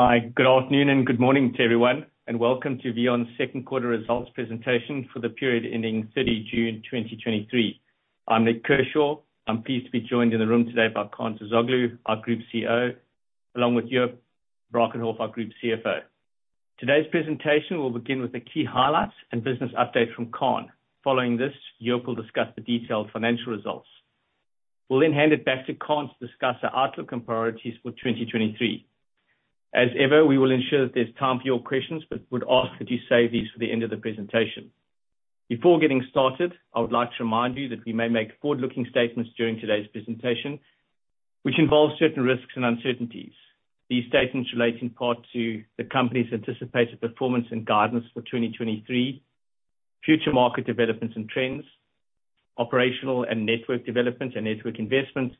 Hi, good afternoon and good morning to everyone, welcome to VEON's second quarter results presentation for the period ending June 30, 2023. I'm Nik Kershaw. I'm pleased to be joined in the room today by Kaan Terzioglu, our Group CEO, along with Joop Brakenhoff, our Group CFO. Today's presentation will begin with the key highlights and business update from Kaan. Following this, Joop will discuss the detailed financial results. We'll hand it back to Kaan to discuss our outlook and priorities for 2023. As ever, we will ensure that there's time for your questions, would ask that you save these for the end of the presentation. Before getting started, I would like to remind you that we may make forward-looking statements during today's presentation, which involve certain risks and uncertainties.. These statements relate in part to the company's anticipated performance and guidance for 2023, future market developments and trends, operational and network development and network investments,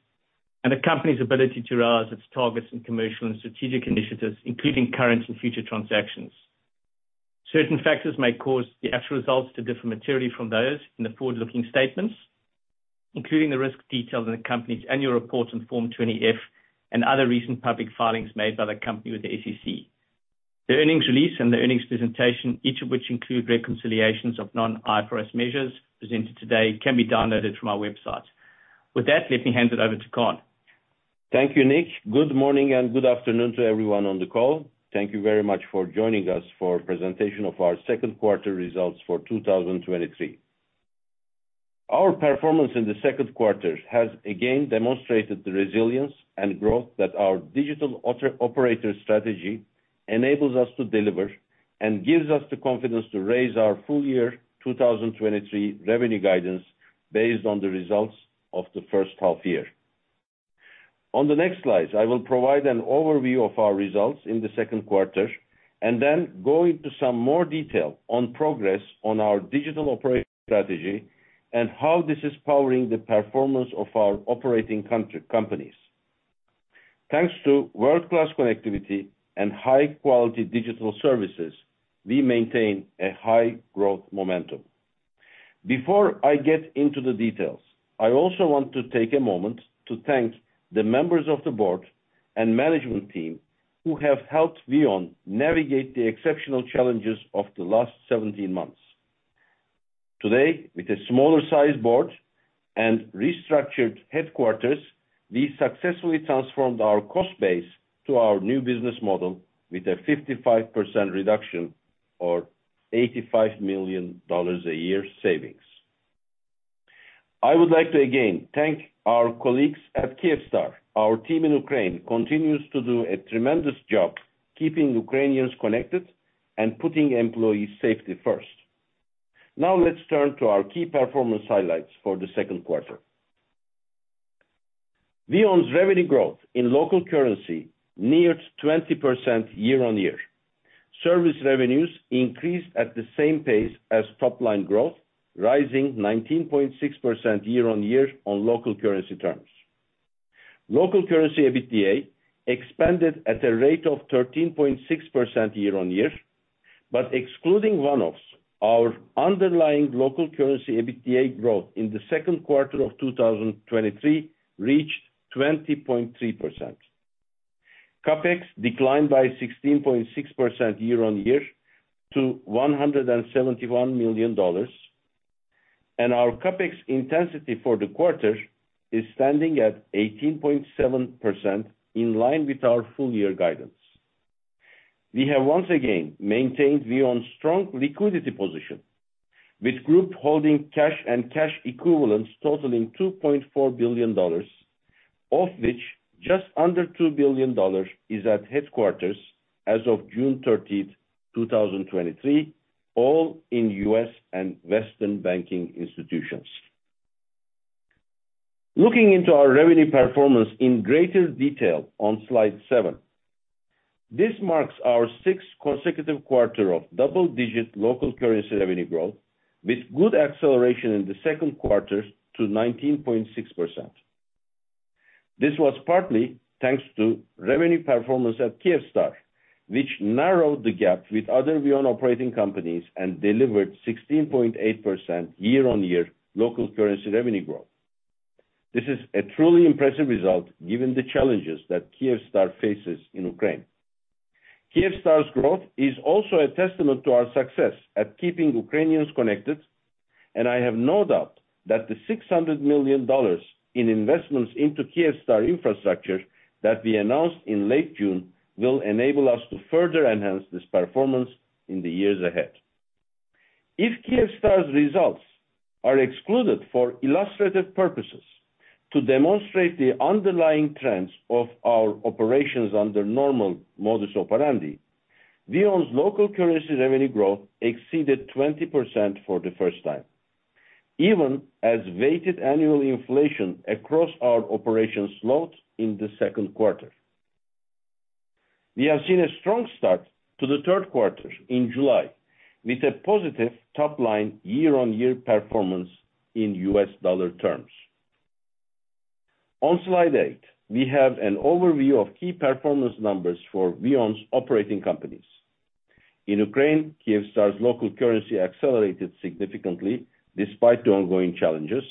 and the company's ability to raise its targets in commercial and strategic initiatives, including current and future transactions. Certain factors may cause the actual results to differ materially from those in the forward-looking statements, including the risks detailed in the company's annual report on Form 20-F and other recent public filings made by the company with the SEC. The earnings release and the earnings presentation, each of which include reconciliations of non-IFRS measures presented today, can be downloaded from our website. With that, let me hand it over to Kaan. Thank you, Nik. Good morning and good afternoon to everyone on the call. Thank you very much for joining us for a presentation of our second quarter results for 2023. Our performance in the second quarter has again demonstrated the resilience and growth that our digital operator strategy enables us to deliver, and gives us the confidence to raise our full year 2023 revenue guidance based on the results of the first half-year. On the next slides, I will provide an overview of our results in the second quarter, and then go into some more detail on progress on our digital operating strategy and how this is powering the performance of our operating companies. Thanks to world-class connectivity and high-quality digital services, we maintain a high growth momentum. Before I get into the details, I also want to take a moment to thank the members of the board and management team who have helped VEON navigate the exceptional challenges of the last 17 months. Today, with a smaller size board and restructured headquarters, we successfully transformed our cost base to our new business model with a 55% reduction or $85 million a year savings. I would like to again thank our colleagues at Kyivstar. Our team in Ukraine continues to do a tremendous job keeping Ukrainians connected and putting employee safety first. Now, let's turn to our key performance highlights for the second quarter. VEON's revenue growth in local currency neared 20% year-on-year. Service revenues increased at the same pace as top-line growth, rising 19.6% year-on-year on local currency terms. Local currency EBITDA expanded at a rate of 13.6% year-on-year, but excluding one-offs, our underlying local currency EBITDA growth in the second quarter of 2023 reached 20.3%. CapEx declined by 16.6% year-on-year to $171 million, and our CapEx intensity for the quarter is standing at 18.7%, in line with our full year guidance. We have once again maintained VEON's strong liquidity position, with group holding cash and cash equivalents totaling $2.4 billion, of which just under $2 billion is at headquarters as of June 30th, 2023, all in U.S. and Western banking institutions. Looking into our revenue performance in greater detail on slide 7. This marks our 6th consecutive quarter of double-digit local currency revenue growth, with good acceleration in the second quarter to 19.6%. This was partly thanks to revenue performance at Kyivstar, which narrowed the gap with other VEON operating companies and delivered 16.8% year-on-year local currency revenue growth. This is a truly impressive result, given the challenges that Kyivstar faces in Ukraine. Kyivstar's growth is also a testament to our success at keeping Ukrainians connected, and I have no doubt that the $600 million in investments into Kyivstar infrastructure that we announced in late June, will enable us to further enhance this performance in the years ahead. If Kyivstar's results are excluded for illustrative purposes to demonstrate the underlying trends of our operations under normal modus operandi, VEON's local currency revenue growth exceeded 20% for the first time, even as weighted annual inflation across our operations slowed in the second quarter. We have seen a strong start to the third quarter in July, with a positive top line year-on-year performance in U.S. dollar terms. On slide 8, we have an overview of key performance numbers for VEON's operating companies. In Ukraine, Kyivstar's local currency accelerated significantly despite the ongoing challenges.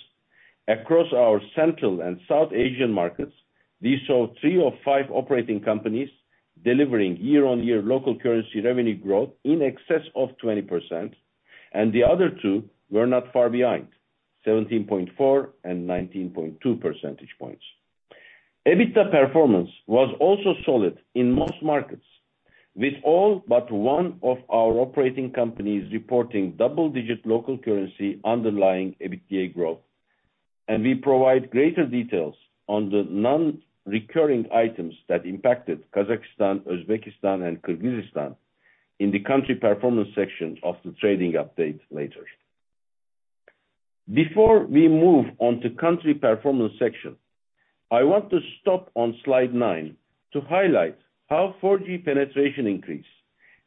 Across our Central and South Asian markets, we saw three of five operating companies delivering year-on-year local currency revenue growth in excess of 20%, and the other two were not far behind, 17.4 and 19.2 percentage points. EBITDA performance was also solid in most markets, with all but one of our operating companies reporting double-digit local currency underlying EBITDA growth, and we provide greater details on the non-recurring items that impacted Kazakhstan, Uzbekistan, and Kyrgyzstan in the country performance section of the trading update later. Before we move on to country performance section, I want to stop on slide nine to highlight how 4G penetration increase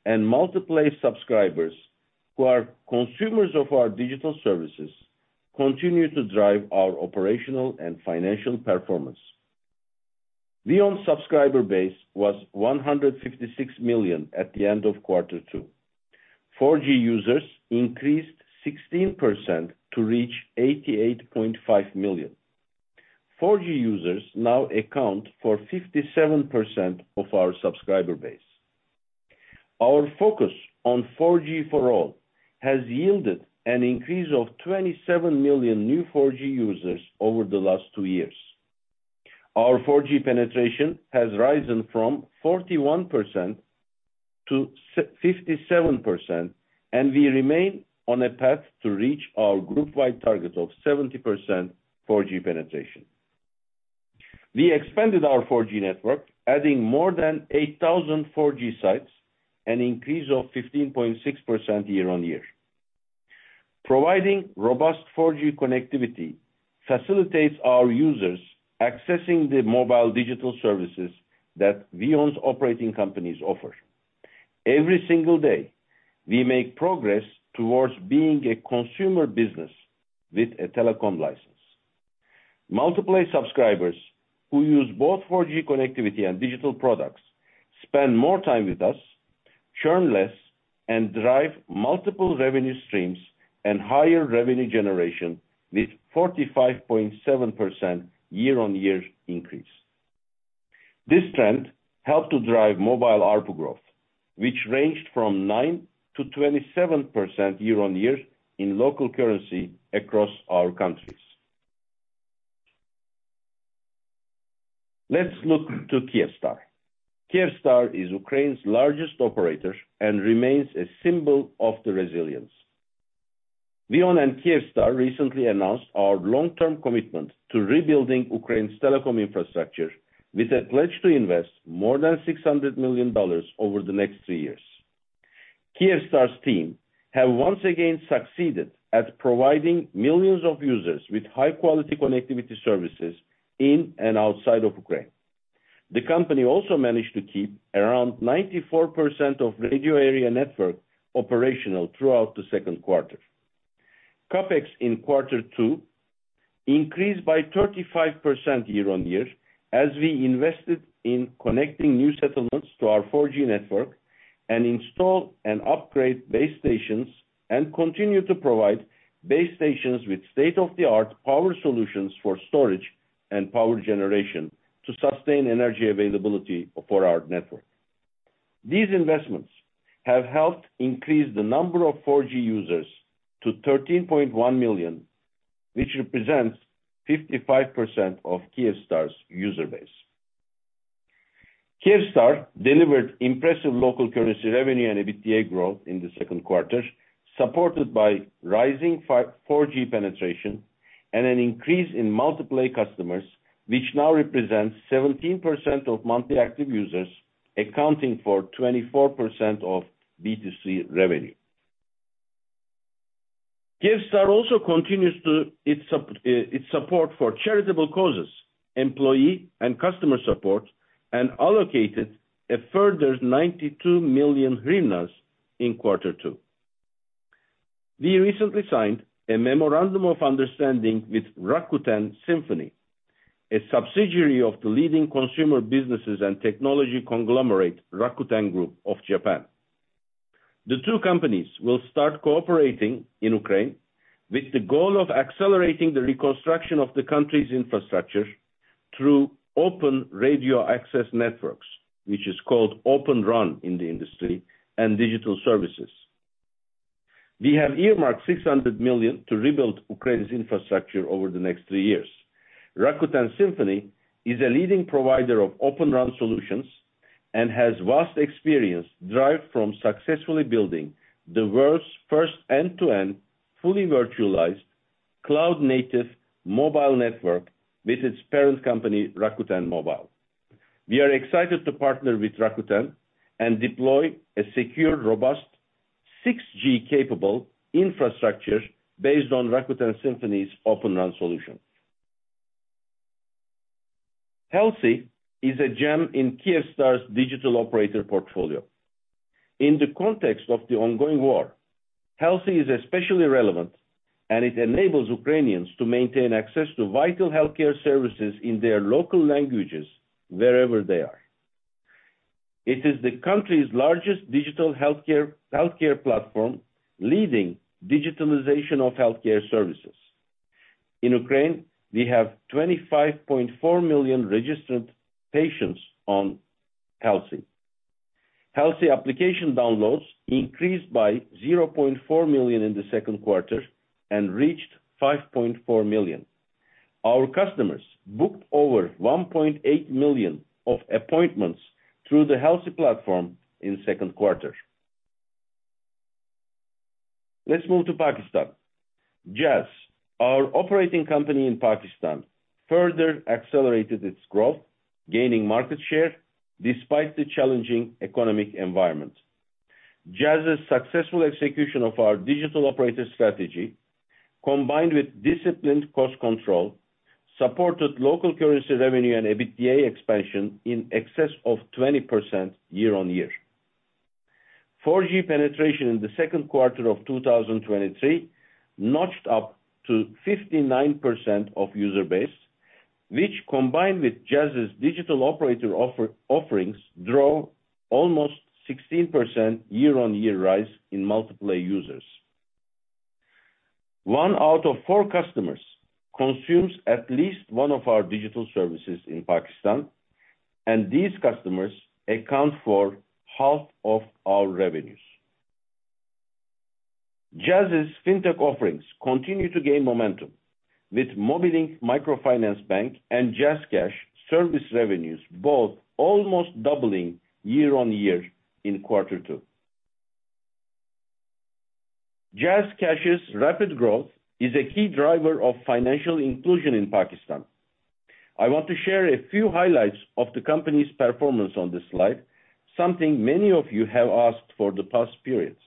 and multiple subscribers who are consumers of our digital services continue to drive our operational and financial performance. VEON subscriber base was 156 million at the end of quarter two. 4G users increased 16% to reach 88.5 million. 4G users now account for 57% of our subscriber base. Our focus on 4G for all has yielded an increase of 27 million new 4G users over the last two years. Our 4G penetration has risen from 41% to 57%. We remain on a path to reach our group-wide target of 70% 4G penetration. We expanded our 4G network, adding more than 8,000 4G sites, an increase of 15.6% year-on-year. Providing robust 4G connectivity facilitates our users accessing the mobile digital services that VEON's operating companies offer. Every single day, we make progress towards being a consumer business with a telecom license. Multiplay subscribers who use both 4G connectivity and digital products spend more time with us, churn less, and drive multiple revenue streams and higher revenue generation with 45.7% year-on-year increase. This trend helped to drive mobile ARPU growth, which ranged from 9%-27% year-on-year in local currency across our countries. Let's look to Kyivstar. Kyivstar is Ukraine's largest operator and remains a symbol of the resilience. VEON and Kyivstar recently announced our long-term commitment to rebuilding Ukraine's telecom infrastructure with a pledge to invest more than $600 million over the next 3 years. Kyivstar's team have once again succeeded at providing millions of users with high-quality connectivity services in and outside of Ukraine. The company also managed to keep around 94% of radio access network operational throughout the second quarter. CapEx in quarter two increased by 35% year-on-year, as we invested in connecting new settlements to our 4G network and install and upgrade base stations, and continue to provide base stations with state-of-the-art power solutions for storage and power generation to sustain energy availability for our network. These investments have helped increase the number of 4G users to 13.1 million, which represents 55% of Kyivstar's user base. Kyivstar delivered impressive local currency revenue and EBITDA growth in the second quarter, supported by rising 4G penetration and an increase in multi-play customers, which now represents 17% of monthly active users, accounting for 24% of B2C revenue. Kyivstar also continues to its support for charitable causes, employee and customer support, and allocated a further UAH 92 million in quarter two. We recently signed a memorandum of understanding with Rakuten Symphony, a subsidiary of the leading consumer businesses and technology conglomerate, Rakuten Group of Japan. The two companies will start cooperating in Ukraine with the goal of accelerating the reconstruction of the country's infrastructure through open radio access networks, which is called Open RAN in the industry and digital services. We have earmarked $600 million to rebuild Ukraine's infrastructure over the next 3 years. Rakuten Symphony is a leading provider of Open RAN solutions and has vast experience derived from successfully building the world's first end-to-end, fully virtualized cloud-native mobile network with its parent company, Rakuten Mobile. We are excited to partner with Rakuten and deploy a secure, robust, 6G-capable infrastructure based on Rakuten Symphony's Open RAN solution. Helsi is a gem in Kyivstar's digital operator portfolio. In the context of the ongoing war... Helsi is especially relevant, and it enables Ukrainians to maintain access to vital healthcare services in their local languages wherever they are. It is the country's largest digital healthcare platform, leading digitalization of healthcare services. In Ukraine, we have 25.4 million registered patients on Helsi. Helsi application downloads increased by 0.4 million in the second quarter and reached 5.4 million. Our customers booked over 1.8 million of appointments through the Helsi platform in second quarter. Let's move to Pakistan. Jazz, our operating company in Pakistan, further accelerated its growth, gaining market share despite the challenging economic environment. Jazz's successful execution of our digital operator strategy, combined with disciplined cost control, supported local currency revenue and EBITDA expansion in excess of 20% year-on-year. 4G penetration in the second quarter of 2023 notched up to 59% of user base, which combined with Jazz's digital operator offerings, draw almost 16% year-on-year rise in multiple users. 1 out of 4 customers consumes at least one of our digital services in Pakistan, and these customers account for half of our revenues. Jazz's fintech offerings continue to gain momentum, with Mobilink Microfinance Bank and JazzCash service revenues both almost doubling year-on-year in quarter 2. JazzCash's rapid growth is a key driver of financial inclusion in Pakistan. I want to share a few highlights of the company's performance on this slide, something many of you have asked for the past periods.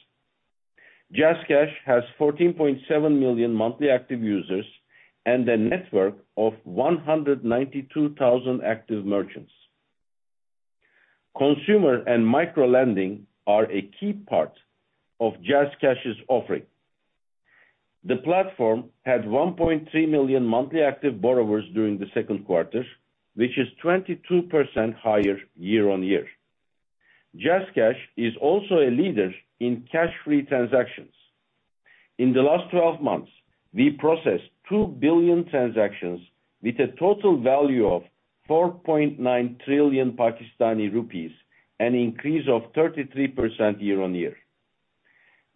JazzCash has 14.7 million monthly active users and a network of 192,000 active merchants. Consumer and micro-lending are a key part of JazzCash's offering. The platform had 1.3 million monthly active borrowers during the 2nd quarter, which is 22% higher year-on-year. JazzCash is also a leader in cash-free transactions. In the last 12 months, we processed 2 billion transactions with a total value of PKR 4.9 trillion, an increase of 33% year-on-year.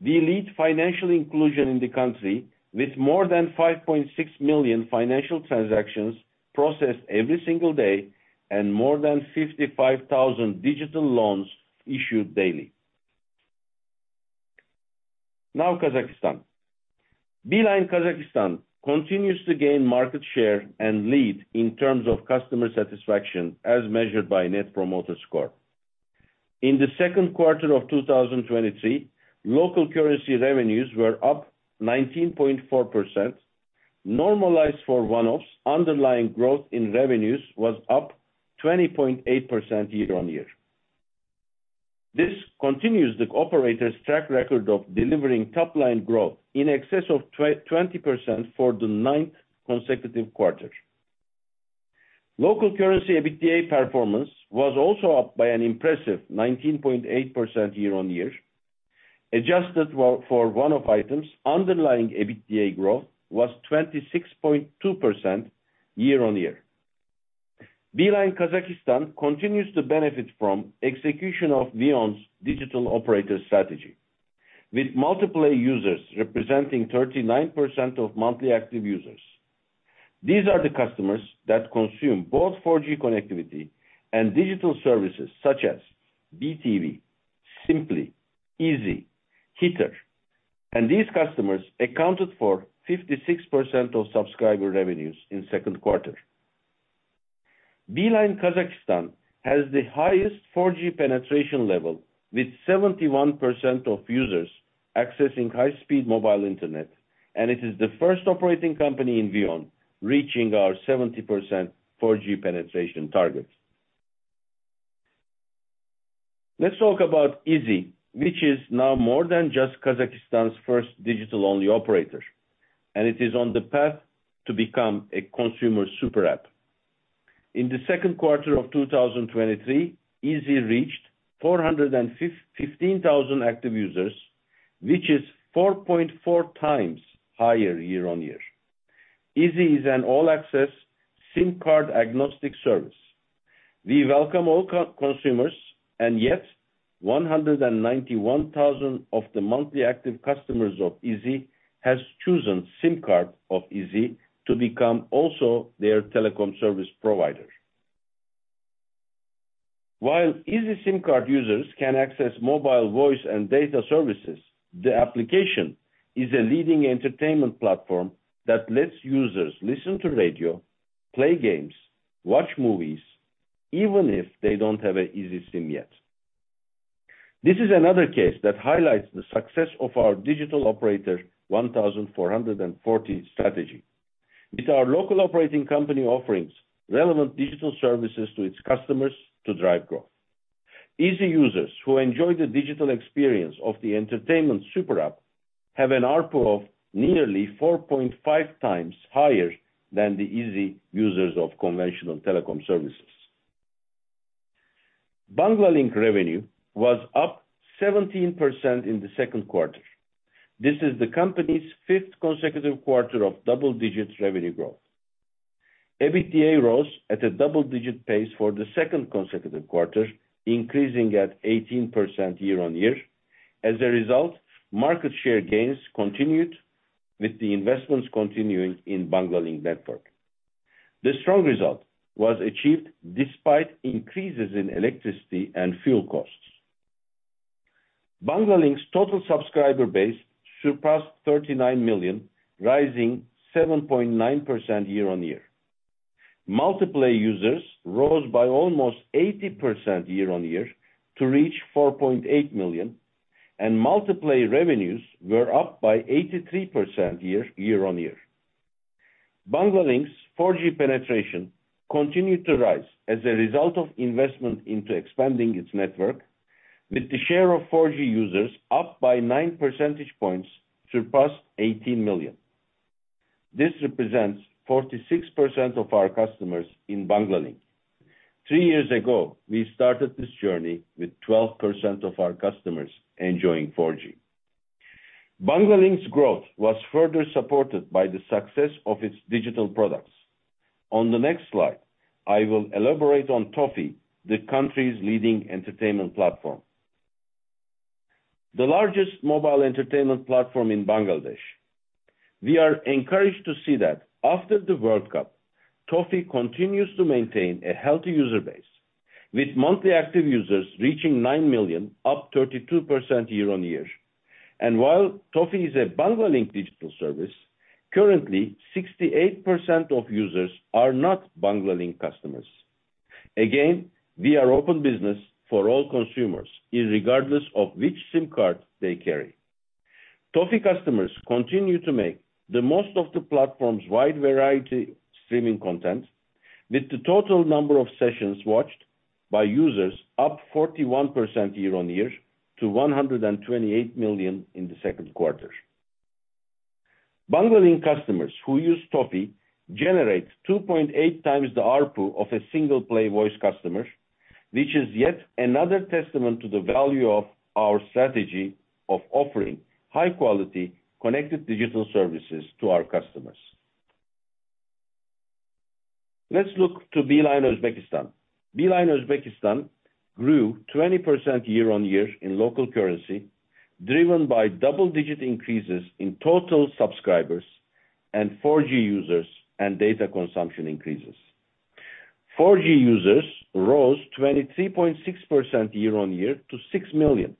We lead financial inclusion in the country with more than 5.6 million financial transactions processed every single day, and more than 55,000 digital loans issued daily. Kazakhstan. Beeline Kazakhstan continues to gain market share and lead in terms of customer satisfaction, as measured by Net Promoter Score. In the second quarter of 2023, local currency revenues were up 19.4%, normalized for one-offs, underlying growth in revenues was up 20.8% year-on-year. This continues the operator's track record of delivering top-line growth in excess of 20% for the ninth consecutive quarter. Local currency EBITDA performance was also up by an impressive 19.8% year-on-year. Adjusted for one-off items, underlying EBITDA growth was 26.2% year-on-year. Beeline Kazakhstan continues to benefit from execution of VEON's digital operator strategy, with multiple users representing 39% of monthly active users. These are the customers that consume both 4G connectivity and digital services such as BeeTV, Simply, Izi, Hitter, and these customers accounted for 56% of subscriber revenues in second quarter. Beeline Kazakhstan has the highest 4G penetration level, with 71% of users accessing high-speed mobile internet, and it is the first operating company in VEON, reaching our 70% 4G penetration target. Let's talk about Izi, which is now more than just Kazakhstan's first digital-only operator, and it is on the path to become a consumer super app. In the second quarter of 2023, Izi reached 415,000 active users, which is 4.4 times higher year-on-year. Izi is an all-access SIM card agnostic service. We welcome all co- consumers, yet 191,000 of the monthly active customers of Izi has chosen SIM card of Izi to become also their telecom service provider. While Izi SIM card users can access mobile voice and data services, the application is a leading entertainment platform that lets users listen to radio, play games, watch movies, even if they don't have an Izi SIM yet. This is another case that highlights the success of our digital operator, 1440 strategy, with our local operating company offerings, relevant digital services to its customers to drive growth. Izi users who enjoy the digital experience of the entertainment super app have an ARPU of nearly 4.5 times higher than the Izi users of conventional telecom services. Banglalink revenue was up 17% in the second quarter. This is the company's 5th consecutive quarter of double-digit revenue growth. EBITDA rose at a double-digit pace for the 2nd consecutive quarter, increasing at 18% year-on-year. As a result, market share gains continued with the investments continuing in Banglalink network. This strong result was achieved despite increases in electricity and fuel costs. Banglalink's total subscriber base surpassed 39 million, rising 7.9% year-on-year. multi-play users rose by almost 80% year-on-year to reach 4.8 million, and multi-play revenues were up by 83% year, year-on-year. Banglalink's 4G penetration continued to rise as a result of investment into expanding its network, with the share of 4G users up by 9 percentage points, surpassed 18 million. This represents 46% of our customers in Banglalink. 3 years ago, we started this journey with 12% of our customers enjoying 4G. Banglalink's growth was further supported by the success of its digital products. On the next slide, I will elaborate on Toffee, the country's leading entertainment platform. The largest mobile entertainment platform in Bangladesh. We are encouraged to see that after the World Cup, Toffee continues to maintain a healthy user base, with monthly active users reaching 9 million, up 32% year-on-year. While Toffee is a Banglalink digital service, currently, 68% of users are not Banglalink customers. Again, we are open business for all consumers, irregardless of which SIM card they carry. Toffee customers continue to make the most of the platform's wide variety streaming content, with the total number of sessions watched by users up 41% year-on-year to 128 million in the second quarter. Banglalink customers who use Toffee generate 2.8 times the ARPU of a single play voice customer, which is yet another testament to the value of our strategy of offering high-quality, connected digital services to our customers. Let's look to Beeline Uzbekistan. Beeline Uzbekistan grew 20% year-on-year in local currency, driven by double-digit increases in total subscribers and 4G users, and data consumption increases. 4G users rose 23.6% year-on-year to 6 million.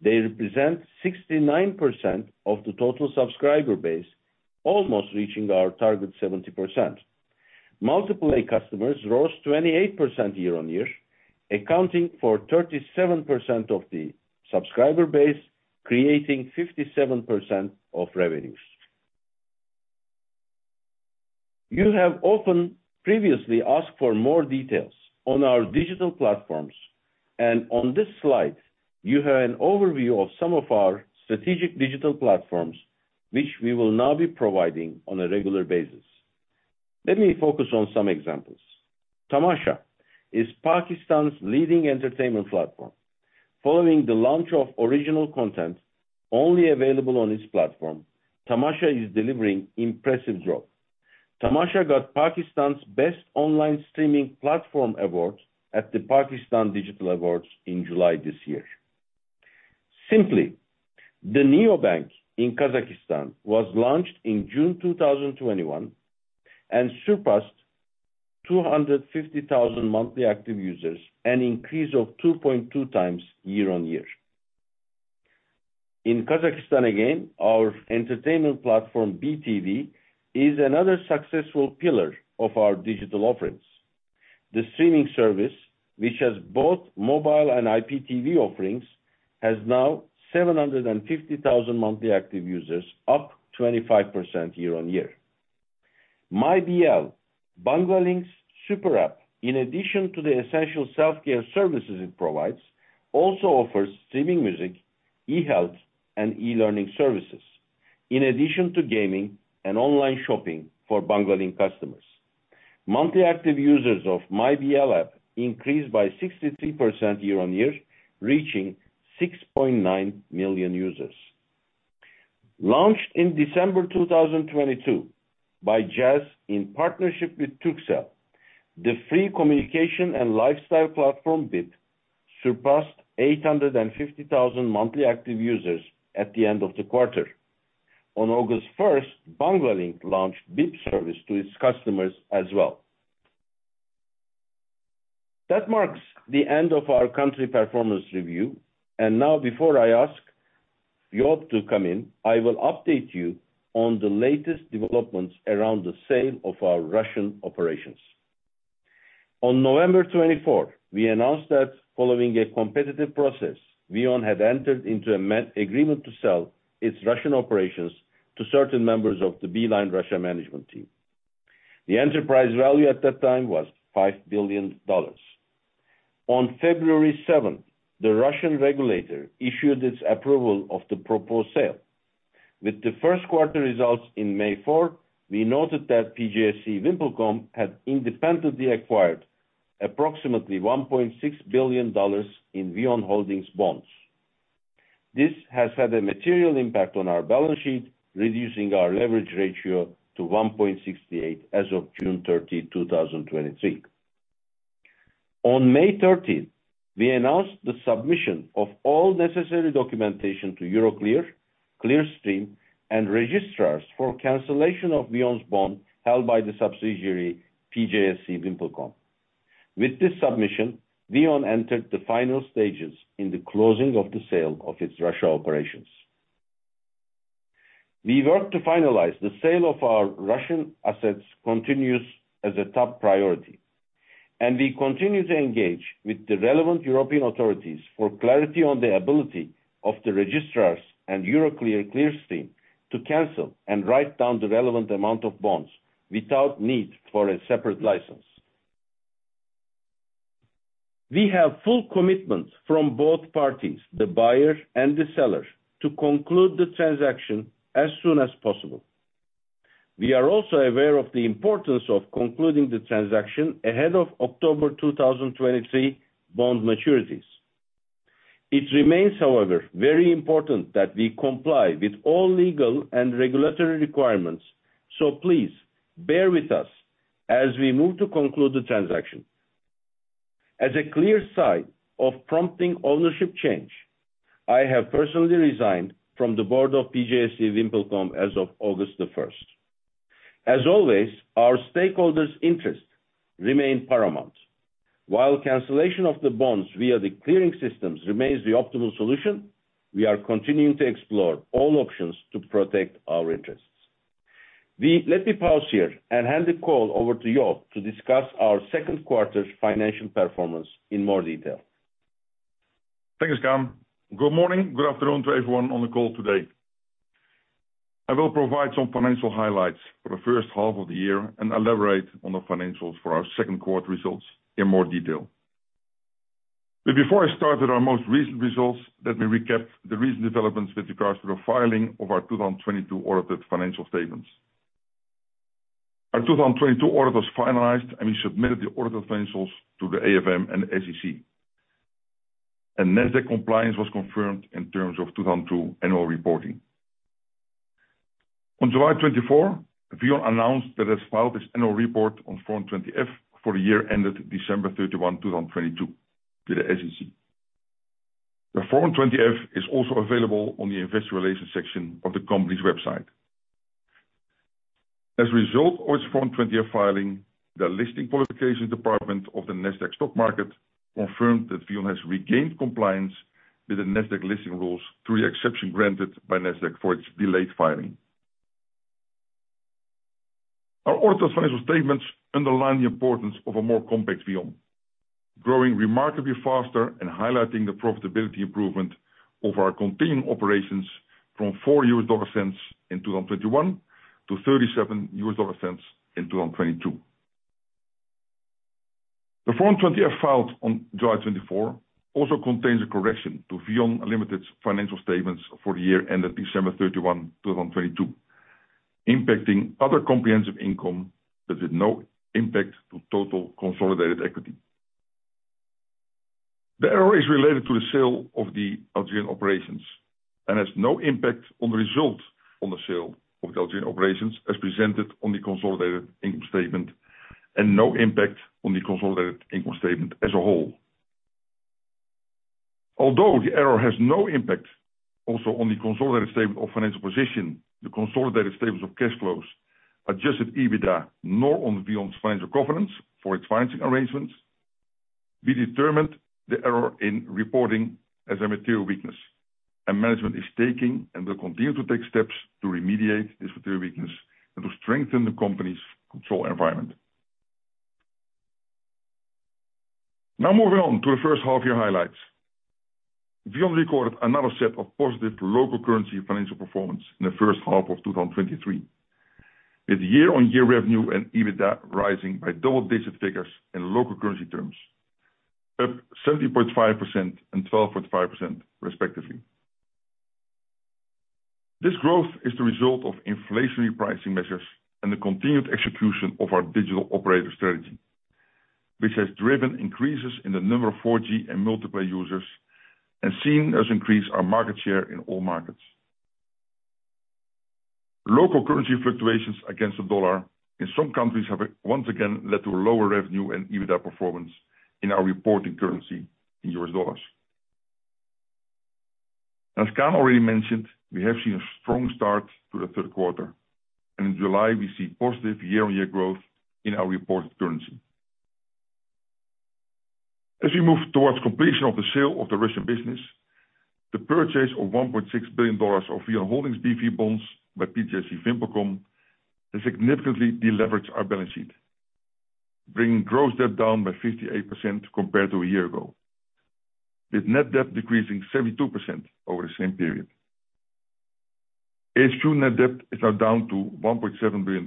They represent 69% of the total subscriber base, almost reaching our target, 70%. multi-play customers rose 28% year-on-year, accounting for 37% of the subscriber base, creating 57% of revenues. You have often previously asked for more details on our digital platforms, and on this slide, you have an overview of some of our strategic digital platforms, which we will now be providing on a regular basis. Let me focus on some examples. Tamasha is Pakistan's leading entertainment platform. Following the launch of original content only available on this platform, Tamasha is delivering impressive growth. Tamasha got Pakistan's Best Online Streaming Platform award at the Pakistan Digital Awards in July this year. Simply, the neobank in Kazakhstan was launched in June 2021, and surpassed 250,000 monthly active users, an increase of 2.2 times year-on-year. In Kazakhstan, again, our entertainment platform, BeeTV, is another successful pillar of our digital offerings. The streaming service, which has both mobile and IPTV offerings, has now 750,000 monthly active users, up 25% year-on-year. MyBL, Banglalink's super app, in addition to the essential self-care services it provides, also offers streaming music, e-health, and e-learning services, in addition to gaming and online shopping for Banglalink customers. Monthly active users of MyBL app increased by 63% year-on-year, reaching 6.9 million users. Launched in December 2022 by Jazz in partnership with Turkcell, the free communication and lifestyle platform, BiP, surpassed 850,000 monthly active users at the end of the quarter. On August 1, Banglalink launched BiP service to its customers as well. That marks the end of our country performance review. Now, before I ask Joop to come in, I will update you on the latest developments around the sale of our Russian operations. On November 24, we announced that following a competitive process, VEON had entered into an agreement to sell its Russian operations to certain members of the Beeline Russia management team. The enterprise value at that time was $5 billion. On February 7th, the Russian regulator issued its approval of the proposed sale. With the 1st quarter results in May 4th, we noted that PJSC VimpelCom had independently acquired approximately $1.6 billion in VEON Holdings bonds. This has had a material impact on our balance sheet, reducing our leverage ratio to 1.68 as of June 30, 2023. On May 13th, we announced the submission of all necessary documentation to Euroclear, Clearstream, and registrars for cancellation of VEON's bond held by the subsidiary, PJSC VimpelCom. With this submission, VEON entered the final stages in the closing of the sale of its Russia operations. We work to finalize the sale of our Russian assets continuous as a top priority. We continue to engage with the relevant European authorities for clarity on the ability of the registrars and Euroclear, Clearstream, to cancel and write down the relevant amount of bonds without need for a separate license. We have full commitment from both parties, the buyer and the seller, to conclude the transaction as soon as possible. We are also aware of the importance of concluding the transaction ahead of October 2023 bond maturities. It remains, however, very important that we comply with all legal and regulatory requirements. Please bear with us as we move to conclude the transaction. As a clear sign of prompting ownership change, I have personally resigned from the board of PJSC VimpelCom as of August 1st. As always, our stakeholders' interest remain paramount. While cancellation of the bonds via the clearing systems remains the optimal solution, we are continuing to explore all options to protect our interests. Let me pause here and hand the call over to Joop to discuss our second quarter's financial performance in more detail. Thanks, Kaan. Good morning, good afternoon to everyone on the call today. I will provide some financial highlights for the first half of the year and elaborate on the financials for our second quarter results in more detail. Before I start with our most recent results, let me recap the recent developments with regards to the filing of our 2022 audited financial statements. Our 2022 audit was finalized, we submitted the audited financials to the AFM and SEC. NASDAQ compliance was confirmed in terms of 2002 annual reporting. On July 24, VEON announced that it has filed its annual report on Form 20-F for the year ended December 31, 2022, to the SEC. The Form 20-F is also available on the investor relations section of the company's website. As a result of its Form 20-F filing, the Listing Qualifications Department of the Nasdaq stock market confirmed that VEON has regained compliance with the Nasdaq listing rules through the exception granted by Nasdaq for its delayed filing. Our audited financial statements underline the importance of a more complex VEON, growing remarkably faster and highlighting the profitability improvement of our continuing operations from $0.04 in 2021 to $0.37 in 2022. The Form 20-F filed on July 24 also contains a correction to VEON Limited's financial statements for the year ended December 31, 2022, impacting other comprehensive income, but with no impact to total consolidated equity. The error is related to the sale of the Algerian operations and has no impact on the result on the sale of the Algerian operations, as presented on the consolidated income statement, and no impact on the consolidated income statement as a whole. Although the error has no impact also on the consolidated statement of financial position, the consolidated statements of cash flows, adjusted EBITDA, nor on VEON's financial governance for its financing arrangements, we determined the error in reporting as a material weakness, and management is taking and will continue to take steps to remediate this material weakness and to strengthen the company's control environment. Now, moving on to the first half year highlights. VEON recorded another set of positive local currency financial performance in the first half of 2023, with year-on-year revenue and EBITDA rising by double-digit figures in local currency terms, up 17.5% and 12.5% respectively. This growth is the result of inflationary pricing measures and the continued execution of our digital operator strategy, which has driven increases in the number of 4G and multi-play users and seen us increase our market share in all markets. Local currency fluctuations against the dollar in some countries have once again led to lower revenue and EBITDA performance in our reporting currency in US dollars. As Kaan already mentioned, we have seen a strong start to the third quarter, and in July, we see positive year-on-year growth in our reported currency. As we move towards completion of the sale of the Russian business, the purchase of $1.6 billion of VEON Holdings B.V. bonds by PJSC VimpelCom has significantly deleveraged our balance sheet, bringing gross debt down by 58% compared to a year ago, with net debt decreasing 72% over the same period. HQ net debt is now down to $1.7 billion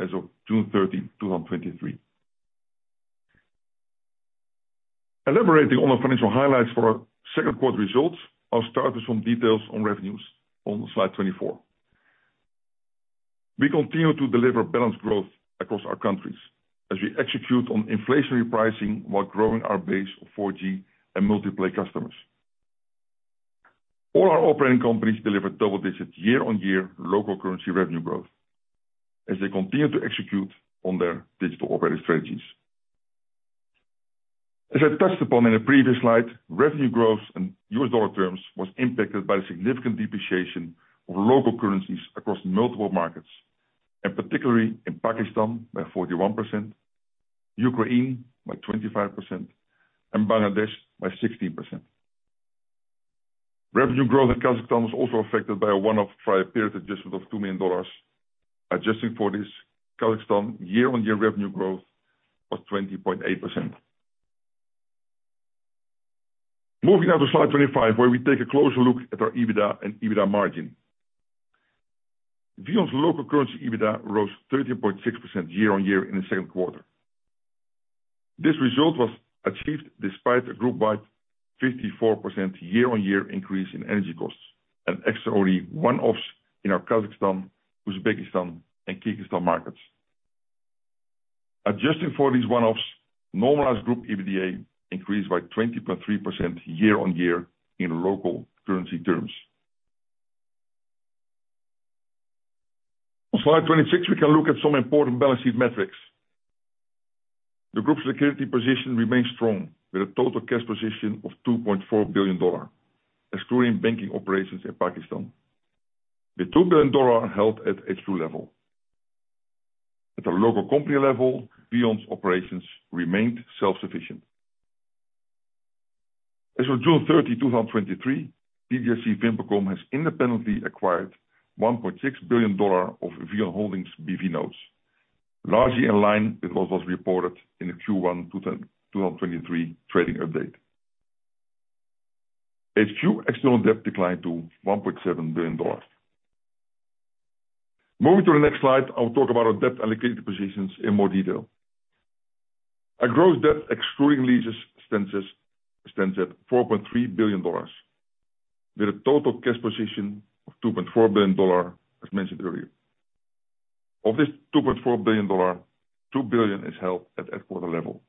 as of June 30, 2023. Elaborating on the financial highlights for our second quarter results, I'll start with some details on revenues on slide 24. We continue to deliver balanced growth across our countries as we execute on inflationary pricing while growing our base of 4G and multi-play customers. All our operating companies delivered double digits year-on-year local currency revenue growth, as they continue to execute on their digital operating strategies. As I touched upon in a previous slide, revenue growth in U.S. dollar terms was impacted by significant depreciation of local currencies across multiple markets, particularly in Pakistan by 41%, Ukraine by 25%, and Bangladesh by 16%. Revenue growth in Kazakhstan was also affected by a one-off prior period adjustment of $2 million. Adjusting for this, Kazakhstan year-on-year revenue growth was 20.8%. Moving now to slide 25, where we take a closer look at our EBITDA and EBITDA margin. VEON's local currency EBITDA rose 13.6% year-on-year in the second quarter. This result was achieved despite a group-wide 54% year-on-year increase in energy costs, and extraordinary one-offs in our Kazakhstan, Uzbekistan, and Kyrgyzstan markets. Adjusting for these one-offs, normalized group EBITDA increased by 20.3% year-on-year in local currency terms. On slide 26, we can look at some important balance sheet metrics. The group's security position remains strong, with a total cash position of $2.4 billion, excluding banking operations in Pakistan, with $2 billion held at HQ level. At the local company level, VEON's operations remained self-sufficient. As of June 30, 2023, PJSC VimpelCom has independently acquired $1.6 billion of VEON Holdings B.V. notes, largely in line with what was reported in the Q1 2023 trading update. HQ external debt declined to $1.7 billion. Moving to the next slide, I'll talk about our debt allocated positions in more detail. Our gross debt, excluding leases, stands at $4.3 billion, with a total cash position of $2.4 billion, as mentioned earlier. Of this $2.4 billion, $2 billion is held at headquarter level.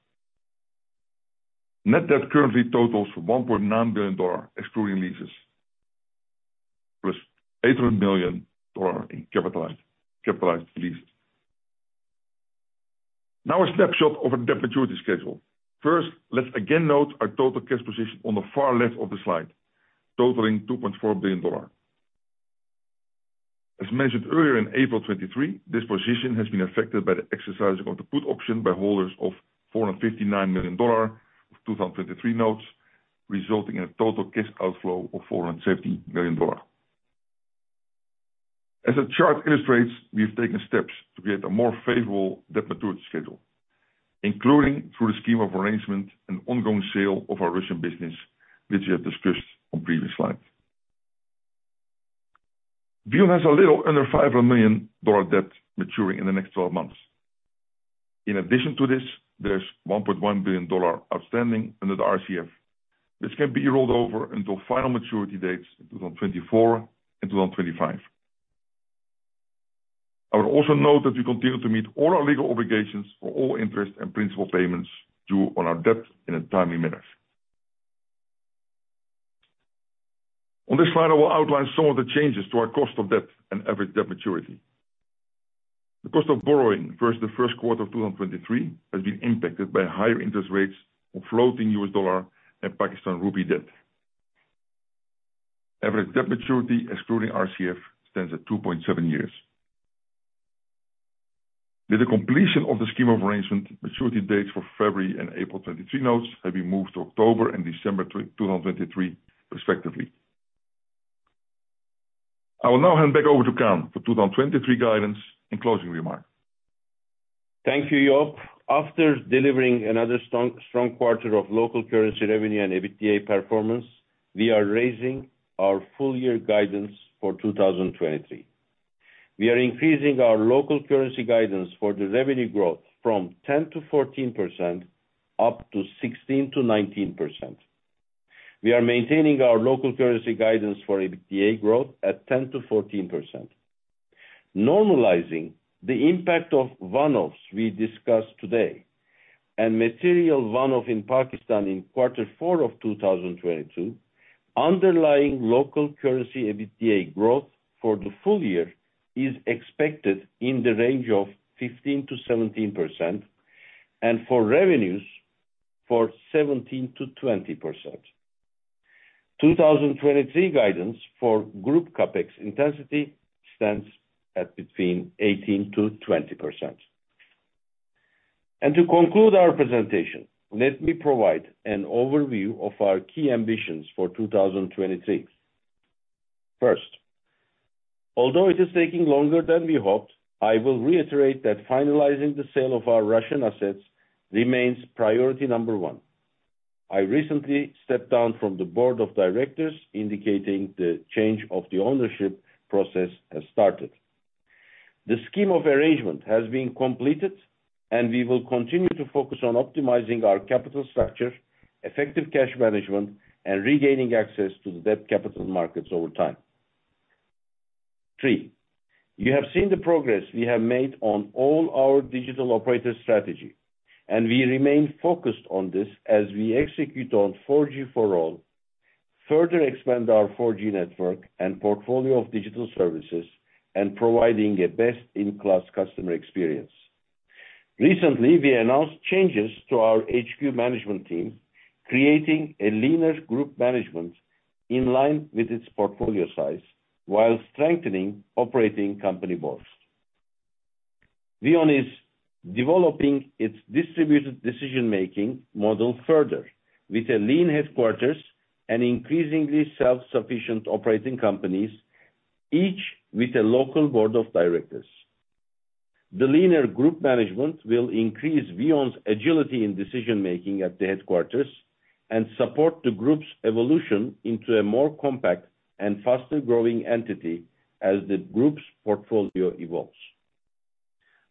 Net debt currently totals $1.9 billion, excluding leases, plus $800 million in capitalized, capitalized leases. A snapshot of our debt maturity schedule. First, let's again note our total cash position on the far left of the slide, totaling $2.4 billion. As mentioned earlier, in April 2023, this position has been affected by the exercising of the put option by holders of $459 million of 2023 notes, resulting in a total cash outflow of $450 million. As the chart illustrates, we have taken steps to create a more favorable debt maturity schedule, including through the scheme of arrangement and ongoing sale of our Russian business, which we have discussed on previous slides. VEON has a little under $500 million debt maturing in the next 12 months. In addition to this, there's $1.1 billion outstanding under the RCF, which can be rolled over until final maturity dates in 2024 and 2025. I would also note that we continue to meet all our legal obligations for all interest and principal payments due on our debt in a timely manner. On this slide, I will outline some of the changes to our cost of debt and average debt maturity. The cost of borrowing versus the first quarter of 2023 has been impacted by higher interest rates of floating US dollar and Pakistani rupee debt. Average debt maturity, excluding RCF, stands at 2.7 years. With the completion of the scheme of arrangement, maturity dates for February and April 2023 notes have been moved to October and December 2023 respectively. I will now hand back over to Kaan for 2023 guidance and closing remarks. Thank you, Joop. After delivering another strong, strong quarter of local currency revenue and EBITDA performance, we are raising our full year guidance for 2023. We are increasing our local currency guidance for the revenue growth from 10%-14%, up to 16%-19%. We are maintaining our local currency guidance for EBITDA growth at 10%-14%. Normalizing the impact of 1-offs we discussed today, and material 1-off in Pakistan in Q4 of 2022, underlying local currency EBITDA growth for the full year is expected in the range of 15%-17%, and for revenues, for 17%-20%. 2023 guidance for group CapEx intensity stands at between 18%-20%. To conclude our presentation, let me provide an overview of our key ambitions for 2023. First, although it is taking longer than we hoped, I will reiterate that finalizing the sale of our Russian assets remains priority number one. I recently stepped down from the board of directors, indicating the change of the ownership process has started. The scheme of arrangement has been completed, we will continue to focus on optimizing our capital structure, effective cash management, and regaining access to the debt capital markets over time. Three, you have seen the progress we have made on all our digital operator strategy, we remain focused on this as we execute on 4G for all, further expand our 4G network and portfolio of digital services, and providing a best-in-class customer experience. Recently, we announced changes to our HQ management team, creating a leaner group management in line with its portfolio size, while strengthening operating company boards. VEON is developing its distributed decision-making model further, with a lean headquarters and increasingly self-sufficient operating companies, each with a local board of directors. The leaner group management will increase VEON's agility in decision making at the headquarters and support the group's evolution into a more compact and faster growing entity as the group's portfolio evolves.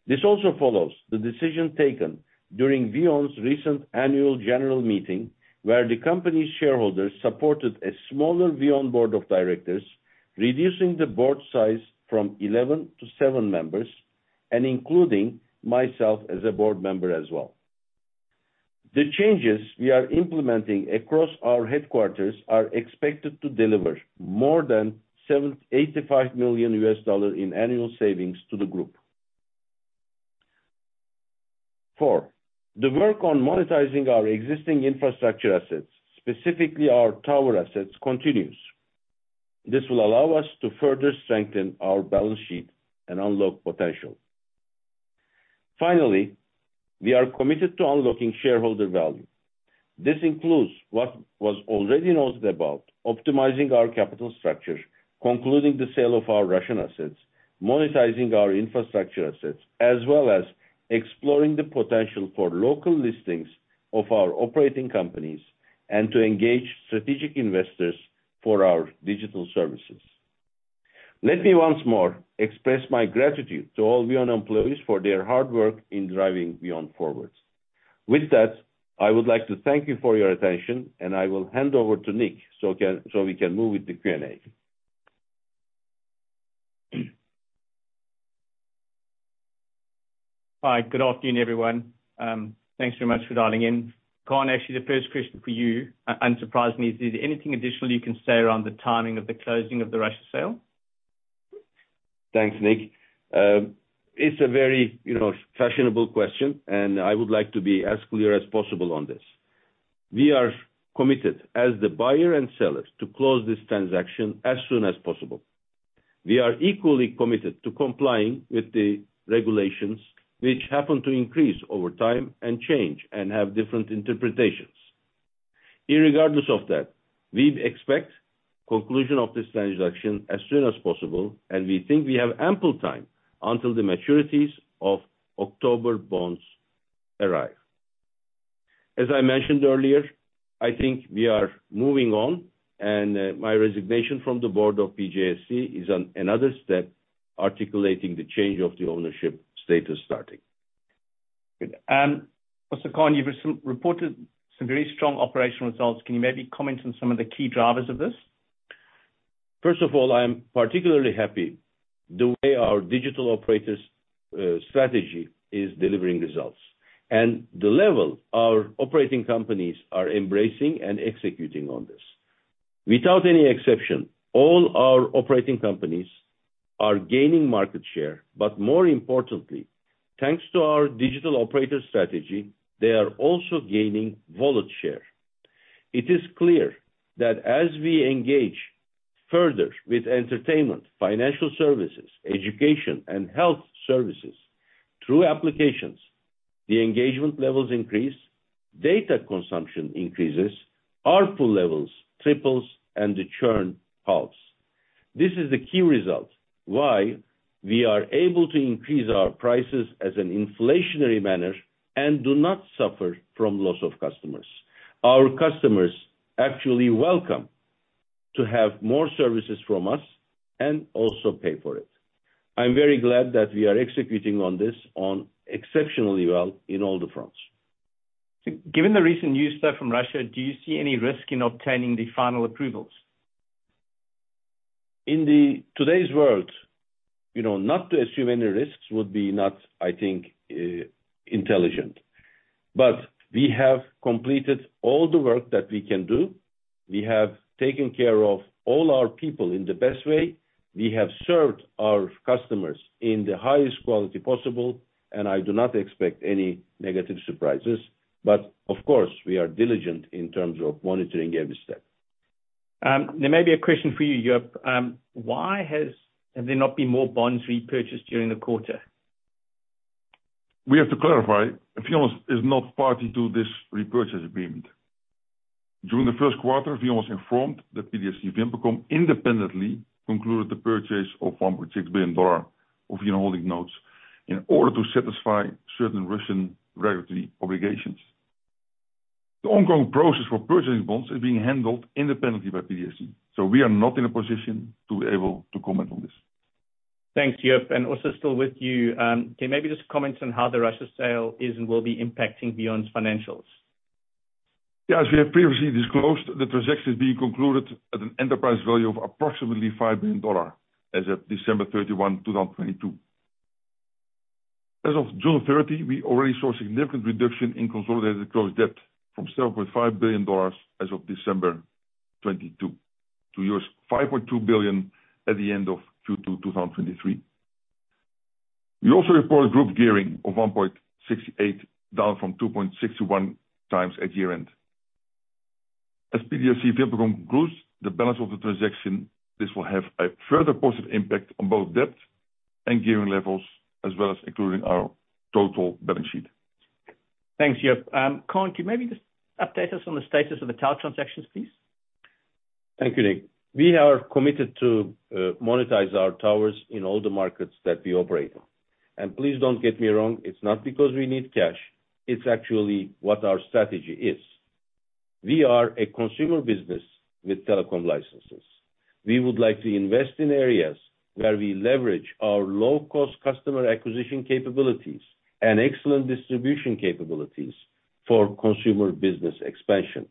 This also follows the decision taken during VEON's recent annual general meeting, where the company's shareholders supported a smaller VEON board of directors, reducing the board size from 11 to 7 members, and including myself as a board member as well. The changes we are implementing across our headquarters are expected to deliver more than $85 million in annual savings to the group. Four, the work on monetizing our existing infrastructure assets, specifically our tower assets, continues. This will allow us to further strengthen our balance sheet and unlock potential. Finally, we are committed to unlocking shareholder value. This includes what was already noted about optimizing our capital structure, concluding the sale of our Russian assets, monetizing our infrastructure assets, as well as exploring the potential for local listings of our operating companies, and to engage strategic investors for our digital services. Let me once more express my gratitude to all VEON employees for their hard work in driving VEON forwards. With that, I would like to thank you for your attention, and I will hand over to Nik, so we can move with the Q&A. Hi, good afternoon, everyone. Thanks very much for dialing in. Kaan, actually, the first question for you, unsurprisingly, is there anything additional you can say around the timing of the closing of the Russia sale? Thanks, Nik. It's a very, you know, fashionable question, and I would like to be as clear as possible on this. We are committed as the buyer and seller to close this transaction as soon as possible. We are equally committed to complying with the regulations, which happen to increase over time and change and have different interpretations. Irregardless of that, we expect conclusion of this transaction as soon as possible, and we think we have ample time until the maturities of October bonds arrive. As I mentioned earlier, I think we are moving on, and my resignation from the board of PJSC is another step articulating the change of the ownership status starting. Good. Also, Kaan, you've reported some very strong operational results. Can you maybe comment on some of the key drivers of this? First of all, I am particularly happy the way our digital operators, strategy is delivering results, and the level our operating companies are embracing and executing on this. Without any exception, all our operating companies are gaining market share. More importantly, thanks to our digital operator strategy, they are also gaining wallet share. It is clear that as we engage further with entertainment, financial services, education, and health services through applications, the engagement levels increase, data consumption increases, ARPU levels triples, and the churn halves. This is the key result why we are able to increase our prices as an inflationary manner and do not suffer from loss of customers. Our customers actually welcome to have more services from us and also pay for it. I'm very glad that we are executing on this on exceptionally well in all the fronts. Given the recent news stuff from Russia, do you see any risk in obtaining the final approvals? In the today's world, you know, not to assume any risks would be not, I think, intelligent. We have completed all the work that we can do. We have taken care of all our people in the best way. We have served our customers in the highest quality possible, and I do not expect any negative surprises. Of course, we are diligent in terms of monitoring every step. There may be a question for you, Joop. Why have there not been more bonds repurchased during the quarter? We have to clarify, VEON is not party to this repurchase agreement. During the first quarter, VEON was informed that PJSC VimpelCom independently concluded the purchase of $1.6 billion of VEON Holding notes in order to satisfy certain Russian regulatory obligations. The ongoing process for purchasing bonds is being handled independently by PDAC, so we are not in a position to be able to comment on this. Thanks, Joop. Also still with you, can you maybe just comment on how the Russia sale is and will be impacting VEON's financials? As we have previously disclosed, the transaction is being concluded at an enterprise value of approximately $5 billion as of December 31, 2022. As of June 30, we already saw a significant reduction in consolidated gross debt from $7.5 billion as of December 2022, to $5.2 billion at the end of Q2 2023. We also report group gearing of 1.68, down from 2.61 times at year-end. As PDAC vehicle concludes the balance of the transaction, this will have a further positive impact on both debt and gearing levels, as well as including our total balance sheet. Thanks, Joop. Kaan, can you maybe just update us on the status of the tower transactions, please? Thank you, Nik. We are committed to monetize our towers in all the markets that we operate on. And please don't get me wrong, it's not because we need cash, it's actually what our strategy is. We are a consumer business with telecom licenses. We would like to invest in areas where we leverage our low-cost customer acquisition capabilities and excellent distribution capabilities for consumer business expansion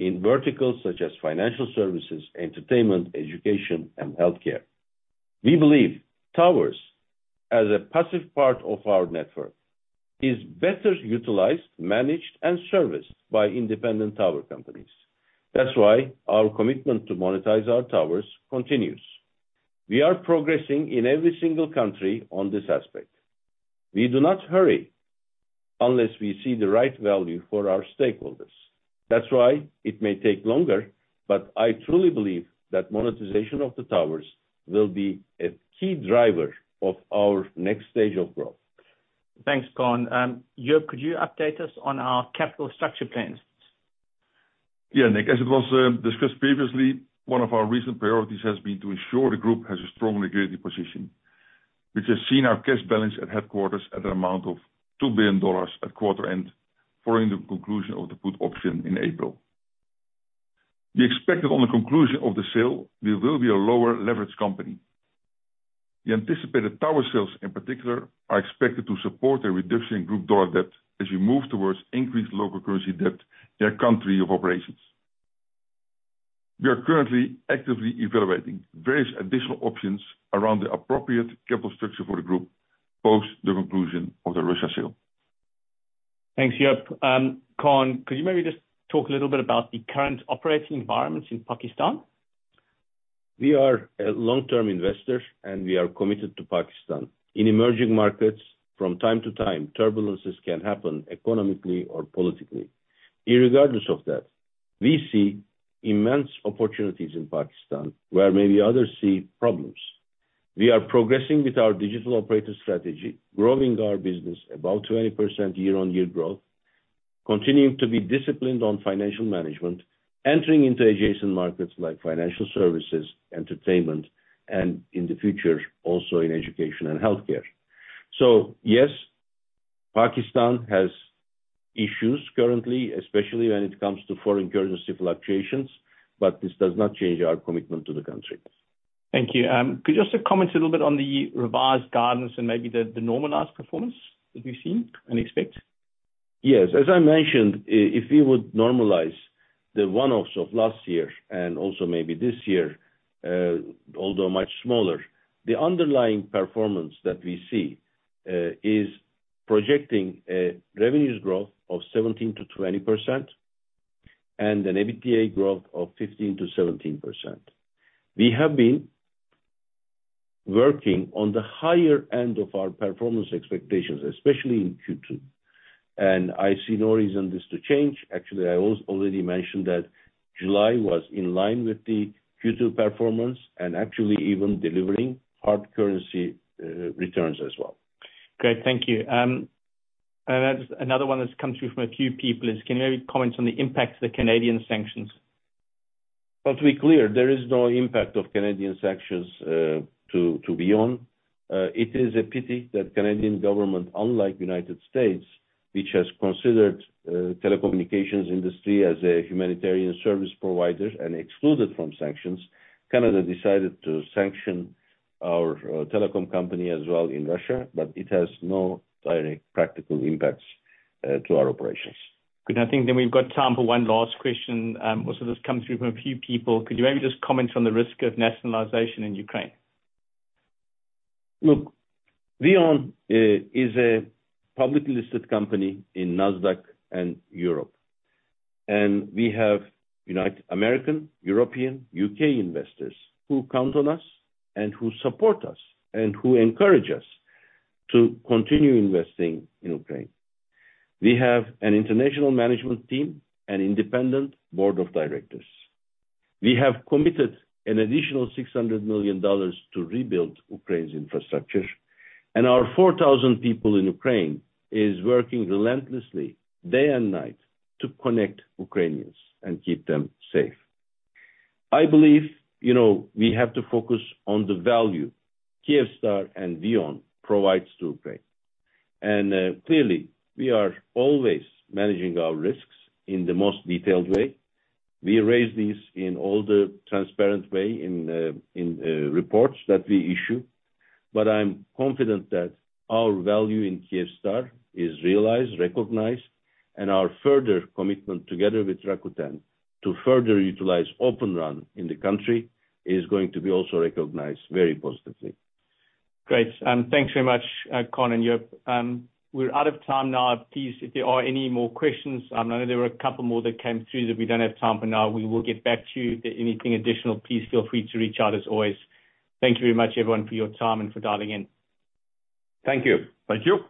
in verticals such as financial services, entertainment, education, and healthcare. We believe towers, as a passive part of our network, is better utilized, managed, and serviced by independent tower companies. That's why our commitment to monetize our towers continues. We are progressing in every single country on this aspect. We do not hurry unless we see the right value for our stakeholders. That's why it may take longer, but I truly believe that monetization of the towers will be a key driver of our next stage of growth. Thanks, Kaan. Joop, could you update us on our capital structure plans? Nik, as it was discussed previously, one of our recent priorities has been to ensure the group has a strong liquidity position, which has seen our cash balance at headquarters at an amount of $2 billion at quarter end, following the conclusion of the put option in April. We expected on the conclusion of the sale, we will be a lower leverage company. The anticipated tower sales in particular, are expected to support a reduction in group dollar debt as we move towards increased local currency debt in our country of operations. We are currently actively evaluating various additional options around the appropriate capital structure for the group, post the conclusion of the Russia sale. Thanks, Joop. Kaan, could you maybe just talk a little bit about the current operating environments in Pakistan? We are a long-term investor, and we are committed to Pakistan. In emerging markets, from time to time, turbulences can happen economically or politically. Regardless of that, we see immense opportunities in Pakistan, where maybe others see problems. We are progressing with our digital operator strategy, growing our business about 20% year-on-year growth, continuing to be disciplined on financial management, entering into adjacent markets like financial services, entertainment, and in the future, also in education and healthcare. Yes, Pakistan has issues currently, especially when it comes to foreign currency fluctuations, but this does not change our commitment to the country. Thank you. Could you just comment a little bit on the revised guidance and maybe the, the normalized performance that we've seen and expect? Yes. As I mentioned, if we would normalize the one-offs of last year and also maybe this year, although much smaller, the underlying performance that we see, is projecting a revenues growth of 17%-20%, and an EBITDA growth of 15%-17%. We have been working on the higher end of our performance expectations, especially in Q2, and I see no reason this to change. Actually, I already mentioned that July was in line with the Q2 performance, and actually even delivering hard currency returns as well. Great, thank you. Then another one that's come through from a few people is, can you maybe comment on the impact of the Canadian sanctions? To be clear, there is no impact of Canadian sanctions to VEON. It is a pity that Canadian government, unlike United States, which has considered telecommunications industry as a humanitarian service provider and excluded from sanctions, Canada decided to sanction our telecom company as well in Russia, but it has no direct practical impacts to our operations. Good. I think then we've got time for one last question, also this comes through from a few people: Could you maybe just comment on the risk of nationalization in Ukraine? Look, VEON is a publicly listed company in Nasdaq and Europe, and we have American, European, U.K. investors who count on us, and who support us, and who encourage us to continue investing in Ukraine. We have an international management team and independent board of directors. We have committed an additional $600 million to rebuild Ukraine's infrastructure, and our 4,000 people in Ukraine is working relentlessly, day and night, to connect Ukrainians and keep them safe. I believe, you know, we have to focus on the value Kyivstar and VEON provides to Ukraine. Clearly, we are always managing our risks in the most detailed way. We raise these in all the transparent way in reports that we issue, but I'm confident that our value in Kyivstar is realized, recognized, and our further commitment together with Rakuten to further utilize Open RAN in the country, is going to be also recognized very positively. Great. Thanks very much, Kaan and Joop. We're out of time now. Please, if there are any more questions, I know there were a couple more that came through that we don't have time for now. We will get back to you. If there anything additional, please feel free to reach out as always. Thank you very much, everyone, for your time and for dialing in. Thank you. Thank you!